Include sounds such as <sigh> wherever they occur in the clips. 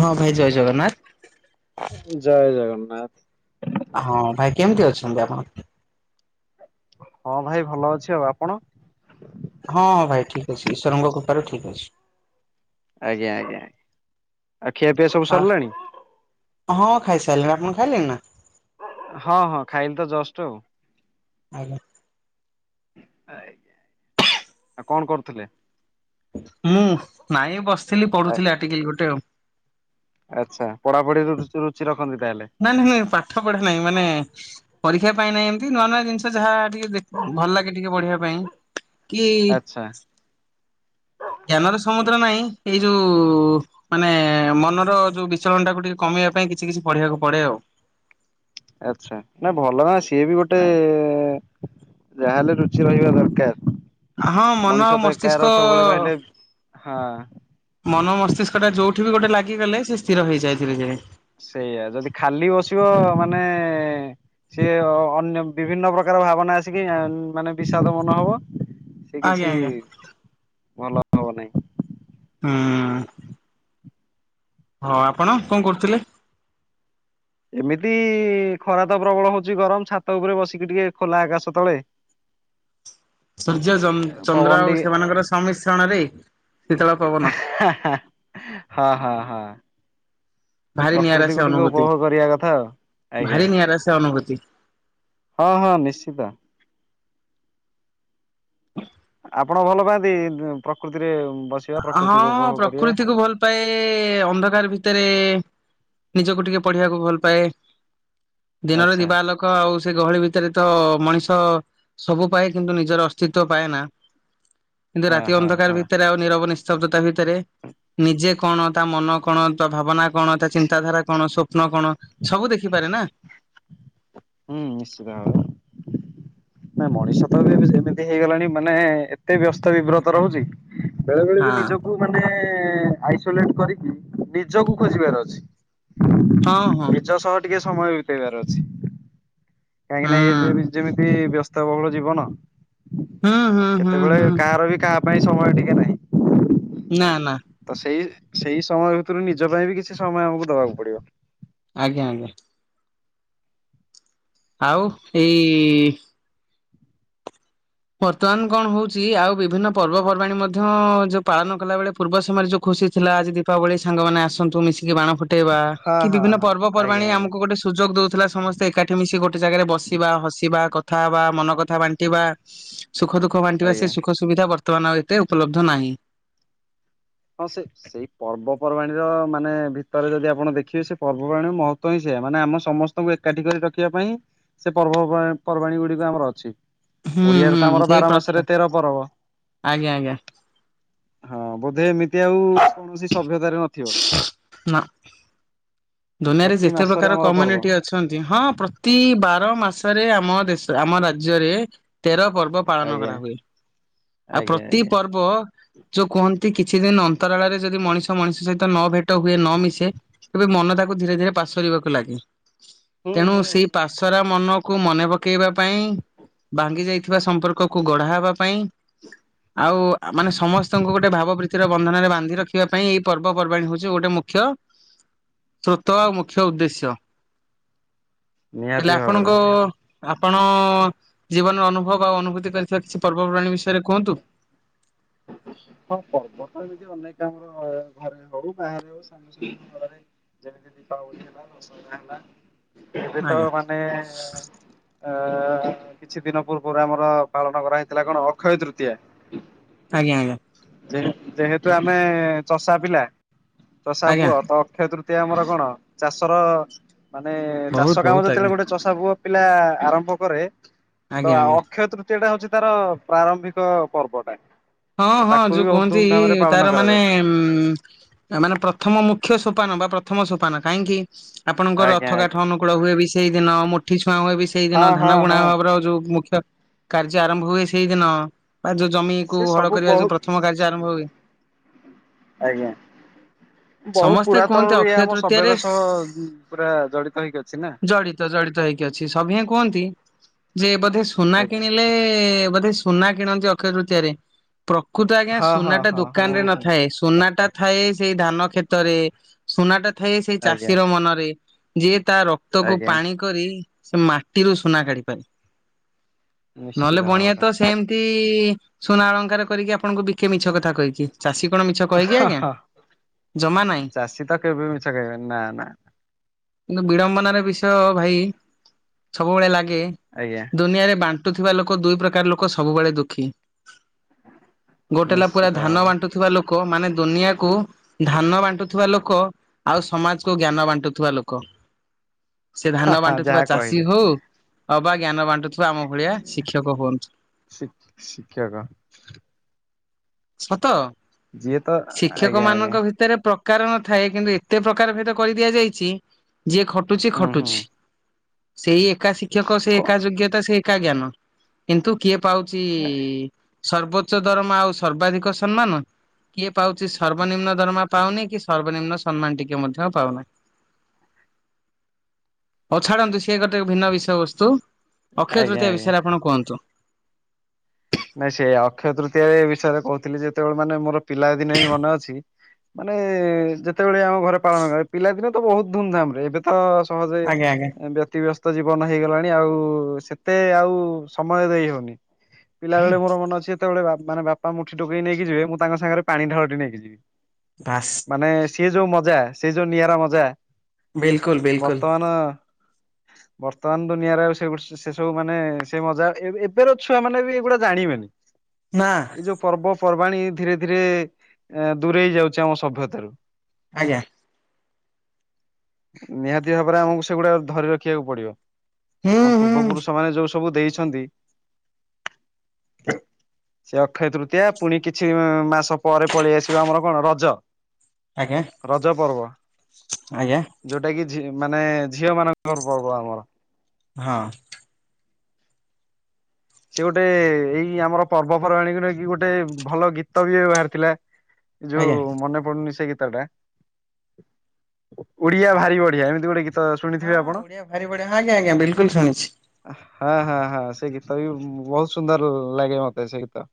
ହଁ ଭାଇ ଜୟ ଜଗନ୍ନାଥ। ଜୟ ଜଗନ୍ନାଥ। ହଁ ଭାଇ କେମତି ଅଛନ୍ତି ଆପଣ? ହଁ ଭାଇ ଭଲ ଅଛି ଆଉ ଆପଣ? ହଁଁ ଭାଇ ଠିକ୍ ଅଛି ଈଶ୍ୱରଙ୍କ କୃପାରୁ ଠିକ୍ ଅଛି। ଆଜ୍ଞା ଆଜ୍ଞା ଆ ଖିଆ ପିଆ ସବୁ ଆ ସରିଲାଣି? ହଁ ଖାଇସାଇଲିଣି ଆପଣ ଖାଇଲେଣି ନା? ହଁ ହଁ ଖାଇଲ ତ ଜଷ୍ଟ ଆଉ <inaudible> ହାଏ କଣ କରୁଥିଲେ? ମୁଁ ନାଇଁ ବସିଥିଲି ପଢୁଥିଲି ଆଟିକିଲ୍ ଗୋଟେ ଆଉ ଆଚ୍ଛା ପଢାପଢି ରୁ ରୁଚି ରଖନ୍ତି ତାହେଲେ? ନାଁ ନାଁ ପାଠ ପଢା ନାହିଁ ମାନେ ପରୀକ୍ଷା ପାଇଁ ନାଇଁ ଏମତି ନୂଆ ନୂଆ ଜିନିଷ ଯାହା ଟିକ ଭଲ ଲାଗେ ଟିକେ ପଢିବା ପାଇଁ। କି ଆଚ୍ଛା ଜ୍ଞାନର ସମୁଦ୍ର ନାଇଁ ଏଇ ଯୋଉ ମାନେ ମନର ଯୋଉ ବିଚଳଣ ଟାକୁୁ ଟିକେ କମେଇବା ପାଇଁ କିଛି କିଛି ପଢିବାକୁ ପଡେ ଆଉ ଆଛା ନା ଭଲ ନା ସିଏ ବି ଗୋଟେ ଯାହାହେଲେ ରୁଚି ରହିବା ଦରକାର। ଆ ହଁ ମନ ମଣିଷ ଆଉ ତ ଏକାର ମସ୍ତିଷ୍କ ସବୁବେଳେ ରହିଲେ ହଁ ମନ ମସ୍ତିଷ୍କଟା ଯୋଉଠି ବି ଗୋଟେ ଲାଗିଗଲେ ସେ ସ୍ଥିର ହେଇଯାଏ ଧୀରେ ଧୀରେ। ସେଇଆ ଯଦି ଖାଲି ବସିବ ମାନେ ସିଏ ଅନ୍ୟ ବିଭିନ୍ନ ପ୍ରକାର ଭାବନା ଆସିକି ମାନେ ବିଷାଦ ମନ ହବ। ସେ କିଛି ଆଜ୍ଞା ଆଜ୍ଞା ଭଲ ହବ ନାହିଁ। ହୁଁ। ହଁ ଆପଣ କଣ କରୁଥିଲେ? ଏମିତି ଖରା ତ ପ୍ରବଳ ହଉଚି ଗରମ ଛାତ ଉପରେ ବସିକି ଟିକେ ଖୋଲା ଆକାଶ ତଳେ ସୂର୍ଯ୍ୟ ପବନ ଚନ୍ଦ୍ର ଆଉ ଟିକେ ସେମାନଙ୍କର ସମ୍ମିଶ୍ରଣରେ ଶୀତଳ ପବନ। ଆହା। ହଁ ହଁ ହଁ। ଭାରି ନିଆରା ସେ ପ୍ରକୃତିକୁ ଟିକେ ଅନୁଭୂତି ଉପଭୋଗ କରିବା କଥା ଆଉ ଭାରି ଆଜ୍ଞା। ନିଆରା ସେ ଅନୁଭୂତି। ହଁ ହଁ ନିଶ୍ଚିତ। ଆପଣ ଭଲ ପାଆନ୍ତି ପ୍ରକୃତିରେ ବସି ହଁ ପ୍ରକୃତିକୁୁ ଭଲ ପାଏ ଅନ୍ଧକାର ଭିତରେ ନିଜକୁ ଟିକେ ପଢିବାକୁ ଭଲ ପାଏ। ଦିନରେ ଆଚ୍ଛା। ଦିବା ଆଲୋକ୍। ଙ୍କ ଆଉ ସେ ଗହଳି ଭିତରେ ତ ମଣିଷ ସବୁ ପାଏ କିନ୍ତୁ ନିଜର ଅସ୍ତିତ୍ଵ ପାଏ ନା। କିନ୍ତୁ ହଁ ରାତି ହଁ ଅନ୍ଧକାର ହଁ ଭିତରେ ଆଉ ନିରବ ନିସ୍ତବ୍ଧ ତା ଭିତରେ। ନିଜେ କଣ ତା ମନ କଣ ତା ଭାବନା କଣ ତା ଚିନ୍ତାଧାରା କଣ ସଵପ୍ନ କଣ? ସବୁ ଦେଖିପାରେ ନା। ହୁଁ ନିଶ୍ଚିତ ଭାବେ? ନା ମଣିଷ ତ ବି ଏମିତି ହେଇଗଲାଣି ମାନେ ଏତେ ବ୍ୟସ୍ତ ବିବ୍ରତ ରହୁଚି। ବେଳେ ବେଳେ ହଁ ବି ନିଜକୁ ମାନେ ଆଇସୋଲେଟ୍ କରିକି ନିଜକୁ ଖୋଜିବାର ଅଛି। ହଁ ହଁ। ନିଜ ସହ ଟିକେ ସମୟ ବିତେଇବାର ଅଛି କାହିଁକି ହୁଁ ନା ଏ ଯେମିତି ବ୍ୟସ୍ତ ଏତେ ବହୁଳ ଯିବନ। ହୁଁ ହଁ ହଁ। ସେତେବେଳେ କାହାର ବି କାହା ପାଇଁ ସମୟ ଟିକେ ନାହିଁ। ନା ନା। ତ ସେଇ ସେଇ ସମୟ ଭିତରୁ ନିଜ ପାଇଁ ବି କିଛି ସମୟ ଆମକୁ ଦବାକୁ ପଡିବ। ଆଜ୍ଞା ଆଜ୍ଞା। ଆଉ ଏଇ ବର୍ତ୍ତମାନ କଣ ହୋଉଚି ଆଉ ବିଭିନ୍ନ ପର୍ବପର୍ବାଣିୀ ମଧ୍ୟ ଯୋଉ ପାଳନ କଲାବେେଳେ ପୂର୍ବ ସମୟରେ ଯୋଉ ଖୁସି ଥିଲା ଆଜି ଦୀପାବଳି ସାଙ୍ଗମାନେ ଆସନ୍ତୁ ମିଶିକି ବାଣ ଫୁଟ୍ ଟେଇବା ହଁ କି ହଁ ବିଭିନ୍ନ ହଁ ପର୍ବ ଆଜ୍ଞା ପର୍ବାଣି ଆଜ୍ଞା। ଆମକୁ ଗୋଟେ ସୁଯୋଗ ଦେଦଉଥିଲା ସମସ୍ତେ ଏକାଠି ମିଶି ଗୋଟେ ଜାଗାରେ ବସିବା ହସିବା କଥା ହେବା ମନକଥା ବାଣ୍ଟିବା। ସୁଖ ଦୁଃଖ ବାଣ୍ଟିବା ଆଜ୍ଞା ସେ ସୁଖ ସୁବିଧା ବର୍ତ୍ତମାନ ଆଉ ଏତେ ଉପଲବ୍ଧ ନାହିଁ। ହଁ ସେ ସେଇ ପର୍ବପର୍ବାଣିର ମାନେ ଭିତରେ ଯଦି ଆପଣ ଦେଖିବେ ସେ ପର୍ବପର୍ବାଣିୀର ମହତ୍ତ୍ବ ହିଁ ସେଇୟା ମାନେ ଆମ ସମସ୍ତେ ତାଙ୍କୁ ଏକାଠି କରି ରଖିବା ପାଇଁ ସେ ପର୍ବ ପର୍ବାଣୀ ଗୁଡିକ ଆମର ଅଛି। ହୁଁ ଓଡିଆରେ ହୁଁ ତ ଆମର ସେଇ ବାର ପ୍ରଥା ମାସରେ ତେର ପରବ। ଆଜ୍ଞା ଆଜ୍ଞା ହଁ ବୋଧେ ଏମିତି ଆଉ କୌଣସି ସଭ୍ୟତାରେ ନଥିବ। ନା ଦୁନିଆରେ ପ୍ରତି ଯେତେ ମାସରେ ପ୍ରକାର ଆମର ପର୍ବ କମ୍ୟୁନିଟି ଅ ଛନ୍ତି ହଁ ପ୍ରତି ବାର ମାସରେ ଆମ ଦେଶ ଆମ ରାଜ୍ୟରେ ତେର ପର୍ବ। ପାଳନ ଆଜ୍ଞା କରା ହୁଏ ଆଉ ଆଜ୍ଞା ପ୍ରତି ଆଜ୍ଞା। ପର୍ବ ଯୋଉ କୁହନ୍ତି କିଛି ଦିନ ଅନ୍ତରାଳରେ ଯଦି ମଣିଷ ମଣିଷ ସହିତ ନ ଭେଟ ହୁଏ ନ ମିଶେ କେବେ ମନ ତାକୁ ଧୀରେ ଧୀରେ ପାସରିବାକୁ ଲାଗେ ହୁଁ ତେଣୁ ହୁଁ ସେଇ ହୁଁ। ପା ସରା ମନକୁ ମନେ ପକେଇବା ପାଇଁ ଭାଙ୍ଗି ଯାଇଥିବା ସମ୍ପର୍କକୁ ଗଢ଼ା ହେବା ପାଇଁ ଆଉ ଆ ମାନେ ସମସ୍ତଙ୍କୁ ଗୋଟେ ଭାବ ପ୍ରୀତିର ବନ୍ଧନରେ ବାନ୍ଧି ରଖିବା ପାଇଁ ଏଇ ପର୍ବ ପର୍ବପର୍ବାଣୀ ହଉଚି ଗୋଟେ ମୁଖ୍ୟ। ସ୍ରୋତ ଆଉ ମୁଖ୍ୟ ଉଦ୍ଦେଶ୍ୟ ନିହାତି ହେଲେ ଭାବରେ। ଆପଣଙ୍କ ଆପଣ ଜୀବନର ଅନୁଭବ ଆଉ ଅନୁଭୂତି କରିଥିବା କିଛି ପର୍ବପର୍ବାଣୀ ବିଷୟରେ କୁହନ୍ତୁ। ହଁ ପର୍ବ ତ ଏମିତି ଅନେକ ଆମର ଘରେ ହଉ ବାହାରେ ହଉ ସାଙ୍ଗସାଥି ଘରେ ଯେମିତି ଦୀପାବଳି ହେଲା ଦଶହରା ହେଲା ଏବେ ତ ଆଜ୍ଞା ମାନେ ଅ କିଛି ଦିନ ପୂର୍ବରୁ ଆମର ପାଳନ କରାହେଇଥିଲା କଣ ଅକ୍ଷୟ ତୃତୀୟା। ଆଜ୍ଞା ଆଜ୍ଞା। ଯେ ଯେହେତୁ ଆମେ ଚଷା ପିଲା ଚଷା ଆଜ୍ଞା ପୁଅ ତ ଅକ୍ଷତୃ ଏ ଆମର କଣ ଚାଷର ମାନେ ବହୁତ ଚାଷ କାମ ବହୁତ ଆଜ୍ଞା ଯେତେବେଳେ ଗୋଟେ ଚଷା ପୁଅ ପିଲା ଆରମ୍ଭ କରେ ଆଜ୍ଞା ତ ଆଜ୍ଞା ଅକ୍ଷୟ ତୃ ତିଟା ହଉଚି ତାର ପ୍ରାରମ୍ଭିକ ପର୍ବଟା। ହଁ ତ ହଁ ତାକୁ ଯୋଉ ବି ବହୁତ କୁହନ୍ତି ଧୁମଧାମ ରେ ପାଳନ ତାର ମାନେ କରାଯାଏ। ଉଁ ମାନେ ପ୍ରଥମ ମୁଖ୍ୟ ସୋପାନ ବା ପ୍ରଥମ ସୋପାନ କାହିଁକି। ଆପଣଙ୍କର ଆଜ୍ଞା ରଥ ଆଜ୍ଞା। କାଠ ଅନୁକୂଳ ହୁଏ ବି ସେଇଦିନ ମୁଠି ଛୁଆଁ ହୁଏ ବି ସେଇ ଦିନ ହଁ ଧାନ ହଁ ବୁଣା ହଁ ଭାବର ଯୋଉ ମୁଖ୍ୟ କାର୍ଯ୍ୟ ଆରମ୍ଭ ହୁଏ ସେଇ ଦିନ ବା ଯୋଉ ଜମି କୁ ସେ ହଳ ସବୁ କରିବା ଯୋଉ ବହୁତ ପ୍ରଥମ କାର୍ଯ୍ୟ ଆରମ୍ଭ ହୁଏ। ଆଜ୍ଞା। ବହୁ ସମସ୍ତେ କୁହନ୍ତି ପୁରାତନରୁ ଇଏ ଅକ୍ଷୟ ଆମ ତୃତୀୟାରେ ସଭ୍ୟର ସହ ପୁରା ଜଡିତ ହେଇକି ଅଛି ନା ଜଡିତ ଜଡିତ ହେଇକି ଅଛି ସଭିଁଏ କୁହନ୍ତି ଯେ ବୋଧେ ସୁନା ଆଜ୍ଞା। କିଣିଲେ ବୋଧେ ସୁନା କିଣନ୍ତି ଅକ୍ଷୟ ତୃତୀୟାରେ ପ୍ରକୃତ ଆଜ୍ଞା ହଁ ସୁନା ହଁ ଟା ହଁ ହଁ। ଦୋକାନ ରେ ନଥାଏ ସୁନା ଟା ଥାଏ ସେଇ ଧାନ କ୍ଷେତରେ ସୁନାଟା ଥାଏ ସେଇ ଆଜ୍ଞା ଚାଷୀର ମନରେ ଯିଏ ତା ରକ୍ତକୁ ଆଜ୍ଞା ପାଣି କରି ସେ ମାଟିରୁ ସୁନା କାଢି ପାରେ ନିଶ୍ଚିତ ନହେଲେ ବଣିଆ ଭାବରେ। ତ ସେମିତି ସୁନା ଅଳଙ୍କାର କରିକି ଆପଣଙ୍କୁ ବିକେ ମିଛ କଥା କହିବି। କି ଚାଷୀ କଣ ମିଛ କହେକି ହଁ ଆଜ୍ଞା ହଁ। ଜମା ନାଇଁ ଚାଷୀ ତ କେବେ ମିଛ କହିବେନି ନା ନା କିନ୍ତୁ ବିଡ଼ମ୍ବନାର ବିଷୟ ଭାଇ ସବୁବେଳେ ଲାଗେ। ଆଜ୍ଞା। ଦୁନିଆରେ ବାଣ୍ଟୁଥିବା ଲୋକ ଦୁଇ ପ୍ରକାର ଲୋକ ସବୁବେଳେ ଦୁଃଖୀ ଗୋଟେ ହେଲା ପୁରା ନିଶ୍ଚିତ ଧାନ ଭାବେ। ବାଣ୍ଟୁଥିବା ଲୋକ ମାନେ ଦୁନିଆକୁ ଧାନ ବାଣ୍ଟୁଥିବା ଲୋକ ଆଉ ସମାଜ କୁ ଜ୍ଞାନ ବାଣ୍ଟୁଥିବା ଲୋକ ସେ ହଁ ଧାନ ହଁ ଯାହା ବାଣ୍ଟୁଥିବା ଚାଷୀ କହିଲେ। ହଉ ଅବା ଜ୍ଞାନ ବାଣ୍ଟୁଥିବା ଆମ ଭଳିଆ ଶିକ୍ଷକ ହୁଅନ୍ତୁ। ଶି ଶିକ୍ଷକ ସତ ଯିଏ ତ ଶିକ୍ଷକ ଆଜ୍ଞା ଆଜ୍ଞା ମାନଙ୍କ ଭିତରେ କାର ନଥାଏ କିନ୍ତୁ ଏତେ ପ୍ରକାର ଭେଦ କରିଦିଆଯାଇଛି ଯିଏ ଖଟୁଛି ହୁଁ ହୁଁ। ଖଟୁଛି। ସେଇ ଏକା ଶିକ୍ଷକ ସେ କ ଏକା ଯୋଗ୍ୟତା ସେ ଏକା ଜ୍ଞାନ କିନ୍ତୁ କିଏ ପାଉଛି। ସର୍ବୋଚ୍ଚ ଧର୍ମ ଆଉ ସର୍ବାଧିକ ସମ୍ମାନ କିଏ ପାଉଛି ସର୍ବନିମ୍ନ ଦରମା ପାଉନି କି ସର୍ବନିମ୍ନ ସମ୍ମାନ ଟିକେ ମଧ୍ୟ ପାଉନାଇ ଅ ଛାଡ଼ନ୍ତୁ ସିଏ ଗୋଟେ ଭିନ୍ନ ବିଷୟବସ୍ତୁ ଅକ୍ଷୟ ଆଜ୍ଞା ତୃତୀୟା ଆଜ୍ଞା। ବିଷୟରେ ଆପଣ କୁହନ୍ତୁ ନାଇଁ ସେ ଅକ୍ଷୟ ତୃତୀୟାରେ ଏ ବିଷୟରେ କହୁଥିଲି ଯେତେବେଳେ ମାନେ ମୋର ପିଲା ଦିନ ହିଁ ମନେ ଅଛି ମାନେ ଯେତେବେଳେ ଆମ ଘରେ ପାଳନ କରେ ପିଲାଦିନେ ତ ବହୁତ ଧୁମଧାମ ରେ ଏବେ ତ ସହଜେ ଆଜ୍ଞା ଆଜ୍ଞା ବ୍ୟତିବସ୍ତ ତ ଜୀବନ ହେଇଗଲାଣି ଆଉ ସେତେ ଆଉ ସମୟ ଦେଇ ହଉନି। ଆଜ୍ଞା ପିଲାବେେଳେ ମୋର ମନ ଅଛି ଯେତେବେଳେ ମାନେ ବାପା ମୁଠି ଡକେଇ ନେଇକି ଯିବେ ମୁଁ ତାଙ୍କ ସାଙ୍ଗରେ ପାଣି ଢାଳଟି ନେଇି କିଯିବି ବାସ୍। ମାନେ ସେ ଯୋଉ ମଜା ସେ ଯୋଉ ନିଆରା ମଜା ବିଲକୁଲ ବିଲକୁଲ ବର୍ତ୍ତମାନ ବର୍ତ୍ତମାନ ଦୁନିଆରେ ଆଉ ସେ ସେ ସବୁ ମାନେ ସେ ମଜା ଏବେର ଛୁଆ ମାନେ ବି ଏଗୁଡା ଜାଣିବେନି। ନା। ଏଇ ଯୋଉ ପର୍ବପର୍ବାଣୀ ଧୀରେ ଧୀରେ ଦୂରେଇ ଯାଉଛି ଆମ ସଭ୍ୟତାରୁ। ଆଜ୍ଞା ନିହାତି ଭାବରେ ଆମକୁ ସେଗୁଡା ଧରି ରଖିବାକୁ ପଡିବ। ହୁଁ ଆମ ହୁଁ ପୂର୍ବ ପୁରୁଷ ମାନେ ଯୋଉ ସବୁ ଦେଇଛନ୍ତି। <inaudible> ସେ ଅକ୍ଷୟ ତୃତୀୟା ପୁଣି କିଛି ମାସ ପରେ ପଳେଇ ଆସିବ ଆମର କଣ ରଜ। ଆଜ୍ଞା ରଜ ପର୍ବ ଆଜ୍ଞା ଯୋଉଟା କି ଝି ମାନେ ଝିଅ ମାନଙ୍କର ପର୍ବ ଆମର। ହଁ ସିଏ ଗୋଟେ ଏଇ ଆମର ପର୍ବପର୍ବାଣୀକୁ ନେଇକି ଗୋଟେ ଭଲ ଗୀତ ବିଏ ବାହାରିଥିଲା। ଆଜ୍ଞା। ଯୋଉ ମନେ ପଡୁନି ସେ ଗୀତଟା ଓଡିଆ ଭାରି ବଢିଆ ଏମିତି ଗୋଟେ ଗୀତ ହଁ ଶୁଣିଥିବେ ଆପଣ? ଓଡିଆ ଭାରି ବଡିଆ ହଁ ଆଜ୍ଞା ଆଜ୍ଞା ବିଲକୁଲ ଶୁଣିଛି। ହଁ ହଁ ହଁ ସେ ତଥାପି ବହୁତ ସୁନ୍ଦର ଲାଗେ ମତେ ସେ ଗୀତ।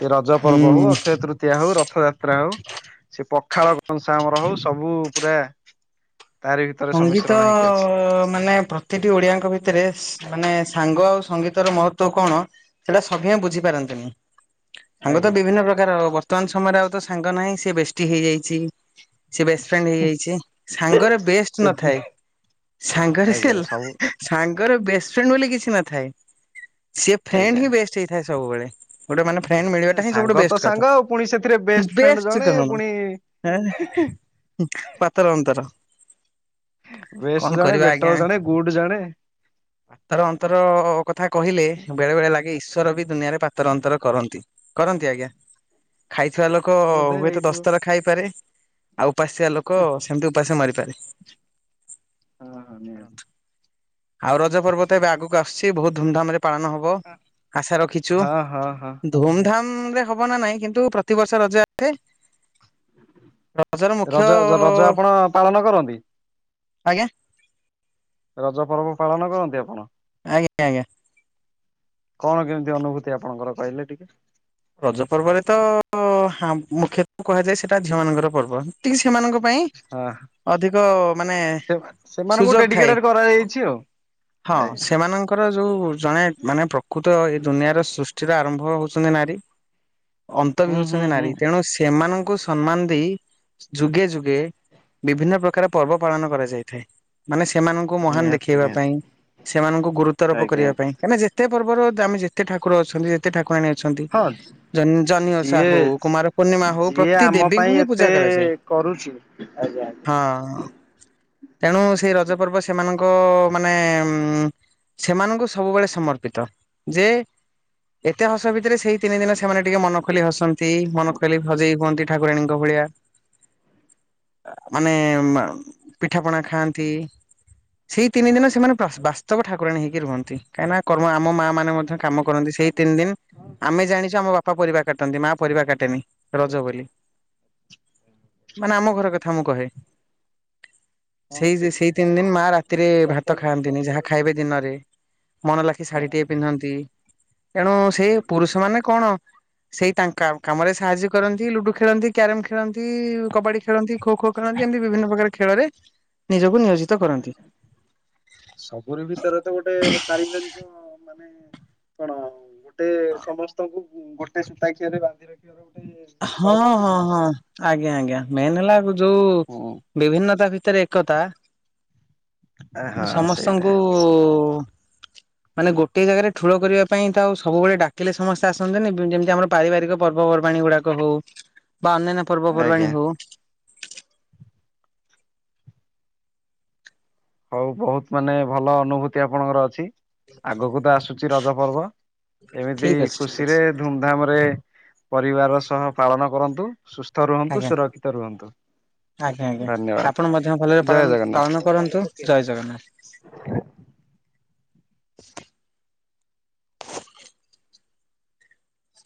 ସେ ରଜ ପର୍ବ ହଉ ହୁଁ ଅକ୍ଷୟତୃ ତୃତୀୟା ହଉ ରଥଯାତ୍ରା ହଉ ସେ ପଖାଳ କଂସା ଆମର ହଉ ସବୁ ପୁରା ତାରି ଭିତରେ ସଙ୍ଗୀତ ସମିଶ୍ରଣ ହେଇକି ଅଛି। ମାନେ ପ୍ର ପ୍ରତିଟି ଓଡିଆଙ୍କ ଭିତରେ ସ୍-ମାନେ ସାଙ୍ଗ ଆଉ ସଙ୍ଗୀତର ମହତ୍ତ୍ୱ କଣ ସେଟା ସଭିଏଁ ବୁଝି ପାରନ୍ତିନି ସାଙ୍ଗ ତ ଆଜ୍ଞା। ବିଭିନ୍ନ ପ୍ରକାର ବ ବର୍ତ୍ତମାନ ସମୟରେ ଆଉ ତ ସାଙ୍ଗ ନାହିଁ ସେ ବେଷ୍ଟି ହେଇଯାଇଚି। ସେ ବେଷ୍ଟଫ୍ରେଣ୍ଡ୍ ହେଇଯାଇଚି ସାଙ୍ଗର ବେଷ୍ଟ ସେ ବି ନଥାଏ ସାଙ୍ଗରେ ସେ ଆଜ୍ଞା ସବୁ ସାଙ୍ଗର ବେଷ୍ଟ୍ ଫ୍ରେଣ୍ଡ୍ ବୋଲି କିଛି ନଥାଏ ସିଏ ଫ୍ରେଣ୍ଡ୍ ଆଜ୍ଞା। ହିଁ ବେଷ୍ଟ୍ ହେଇଥାଏ ସବୁବେଳେ। ଗୋଟେ ମାନେ ଫ୍ରେଣ୍ଡ୍ ମିଳିବାଟା ହଁ ସବୁଠୁ ସାଙ୍ଗ ତ ବେଷ୍ଟ୍ କଥା। ସାଙ୍ଗ ଆଉ ପୁଣି ସେଥିରେ ବେଷ୍ଟ ଫ୍ରେଣ୍ଡ ବେଷ୍ଟ୍ ଜଣେ କଣ? ପୁଣି ଆଁ -ଉଁ -ପାତର ଅନ୍ତର। କଣ ବେଷ୍ଟ୍ ଜଣେ କରିବା ଆଜ୍ଞା ବେଟର୍ ଜଣେ ଗୁଡ୍ ଜଣେ। ପାତର ଅନ୍ତର କଥା କହିଲେ ବେଳେ ବେଳେ ଲାଗେ ଈଶ୍ୱର ବି ଦୁନିଆରେ ପାତର ଅନ୍ତର କରନ୍ତି। କରନ୍ତି ଆଜ୍ଞା। ଖାଇଥିବା ଲୋକ ବୋଧେ ହୁଏତ ହେଇଥିବ। ଦଶ ଥର ଖାଇପାରେ ଆଉ ଉପାସିଆ ଲୋକ ସେମିତି ଉପାସେ ମାରିପାରେ। ହଁ ହଁ ନିହାତି। ଆଉ ରଜ ପର୍ବ ତ ଏବେ ଆଗୁକୁ ଆସୁଚି ବହୁତ୍ ଧୁମଧାମ୍ ରେ ପାଳନ ହ ବ ଆଶା ରଖିଚୁ। ହଁ ହଁ ହଁ ଉଁ - ଧୁମଧାମ୍ ରେ ହବନା ନାଇଁ କିନ୍ତୁ ପ୍ରତିିବର୍ଷ ରେ ରଜ ର ମୁଖ୍ୟ ହଁ ପାଳନ କରନ୍ତି। ଆଜ୍ଞା। ରଜ ପର୍ବ ପାଳନ କରନ୍ତି ଆପଣ? ଆଜ୍ଞା -ଆଜ୍ଞା। କଣ କେମିତି ଅନୁଭୂତି ଆପଣଙ୍କର କହିଲେ ଟିକେ? ରଜ ପର୍ବରେ ତ ହାଁ ମୁଖ୍ୟତଃ କୁହାଯାଏ ସେଟା ଝିଅ ମାନଙ୍କର ପର୍ବ। ଟିକେ ସେମାନଙ୍କ ପାଇଁ <unintelligible> ଅଧିକ ମାନେ ସେ ସେମାନଙ୍କୁ ସୁଯୋଗ ଥାଏ ଡେଡିକେଟେଡ କରାଯାଇଛି - ହଁ ଆଉ। ସେମାନଙ୍କ ଙ୍କର ଯଉ ଜଣେ ମାନେ ପ୍ରକୃତ ଏଇ ଦୁନିଆର ସୃଷ୍ଟିର ଆରମ୍ଭ ହଉଚନ୍ତି ନାରୀ। ଅନ୍ତ ବି ହୁଁ ହୁଁ ହଉଚନ୍ତି ହୁଁ ନାରୀ ତେଣୁ ସେମାନଙ୍କୁ ସ୍ ସମ୍ମାନ ଦେଇ ଯୁଗେ ଯୁଗେ ବିଭିନ୍ନ ପ୍ରକାର ପର୍ବ ପାଳନ କରାଯାଇଥାଏ। ମାନେ ସେମାନଙ୍କୁ ମହାନ୍ ନିହାତି ଦେଖେଇବା ନିହାତି ପାଇଁ ସେମାନଙ୍କୁ ଗୁରୁତ୍ୱାରୋପ ଆଜ୍ଞା କରିବା ପାଇଁ ତମେ ଯେତେ ପର୍ବର ଦାମେ ଯେତେ ଠାକୁର ଅଛନ୍ତି ଯେତେ ଠାକୁରାଣୀ ଅଛନ୍ତି ଅନ୍ସ- ଜହ୍ନି ଓଷା ଯିଏ ହଉ କୁମାର ପୂର୍ଣ୍ଣିମା ହଉ -ଯିଏ ପ୍ରତି ଆମ ଦେବୀଙ୍କୁ ପାଇଁ ହିଁ ପୂଜା ଏତେ କରାଯାଏ। କରୁଚି ହଁ ତେଣୁ ସେଇ ରଜ ପର୍ବ ସେମାନଙ୍କ ମାନେ ଉଁ ସେମାନଙ୍କୁ ସବୁବେଳେ ସମର୍ପିତ ଯେ ଏତେ ହସ ଭିତରେ ସେଇ ତିନି ଦିନ ସେମାନେ ଟିକେ ମନ ଖୋଲି ହସନ୍ତି ମନ ଖୋଲି ସଜେଇ ହୁଅନ୍ତି ଠାକୁରାଣୀଙ୍କ ଭଳିଆ ଆ-ମାନେ-ମା- ପିଠା ପଣା ଖାଆନ୍ତି ସେଇ ତିନି ଦିନ ସେମାନେ ବାସ୍-ବାସ୍ତବ ଠାକୁରାଣୀ ହେଇକି ରୁହନ୍ତି କାହିଁକିନା କର୍ମ ଆମ ମା ମାନେ ମଧ୍ୟ ହବା ବି କାମ କରନ୍ତି ଦରକାର ସେଇ ନା ତିନି ଦିନ୍ ହଁ ଆମେ ଜାଣିଚୁ ଆମ ବାପା ପରିବା କାଟନ୍ତି ମା ପରିବା କାଟେନି ରଜ ବୋଲି। ମାନେ ଆମ ଘର କଥା ମୁଁ କହେ। ହଁ ସେଇ ସେ କଣ ଦି-ସେଇ ତିନି ଦିନ୍ ପରିବା ମା ରାତିରେ ଭାତ ଚପଲ ଖାଆନ୍ତିନି ଚପଲ ଯାହା ବି ଖାଇବେ ଦିନରେ। ପିନ୍ଧନ୍ତିନି ମନ ଲାଖି ହଁ ଶାଢୀ ଟିଏ ପିନ୍ଧନ୍ତି ତେଣୁ ସେ ଆଜ୍ଞା ପୁରୁଷ ମାନେ କଣ ସେଇ ତାଙ୍କ କା- କାମରେ ସାହାଯ୍ୟ କରନ୍ତି ଲୁଡୁ ଖେଳନ୍ତି, କ୍ୟାରମ୍ ଖେଳନ୍ତି, କବାଡି ଖେଳନ୍ତି ଖୋ ଖୋ ଖେଳନ୍ତି ଏମିତି ବିଭିନ୍ନ ପ୍ରକାର ଖେଳରେ ନିଜକୁ ନିୟୋଜିତ କରନ୍ତି। ସବୁୁର ଭିତରେ ତ ଗୋଟେ ପାରିବାରିକ ମାନେ କଣ ଗୋଟେ ସମସ୍ତଙ୍କୁ ଗୋଟେ ସୂତା ଖିଆରେ ବାନ୍ଧି ରଖି ହଁ- ହଁ- ହଁ ଆଜ୍ଞା ଆଜ୍ଞା ମେନ୍ ହେଲା ଆଗ ଯଉ ହୁଁ ବିଭିନ୍ନତା ଭିତରେ ଏକତା ହଁ ସେଇଟା ସମସ୍ତଙ୍କୁ <inaudible> ମାନେ ଗୋଟିଏ ଜାଗାରେ ଠୁଳ କରିବା ପାଇଁ ତ ଆଉ ସବୁବେଳେ ଡାକିଲେ ସମସ୍ତେ ଆସନ୍ତିନି ବୁ- ଯେମିତି ଆମର ପାରିବାରିକ ପର୍ବପର୍ବାଣିୀ ଗୁଡ଼ାକ ହଉ ବା ଅନ୍ୟାନ୍ୟ ପର୍ବପର୍ବାଣୀ ଆଜ୍ଞା ହଉ ହଉ ବହୁତ ମାନେ ଭଲ ଅନୁଭୂତି ଆପଣଙ୍କର ଅଛି। ଆଗକୁ ତ ଆସୁଛି ରଜ ପର୍ବ ଏମିତି ଠିକ ଅଛି ଠିକ ଅଛି ଖୁସିରେ ଧୁମଧାମ ରେ ପରିବାର ସହ ପାଳନ କରନ୍ତୁ। ସୁସ୍ଥ ରୁହନ୍ତୁ ଆଜ୍ଞା ସୁରକ୍ଷିତ ରୁହନ୍ତୁ। ଆଜ୍ଞା ଆଜ୍ଞା ଧନ୍ୟବାଦ ଆପଣ ମଧ୍ୟ ଭଲରେ ପାଳନ ପାଳନ କରନ୍ତୁ ଜୟ ଜଗନ୍ନାଥ। ଆ <inaudible>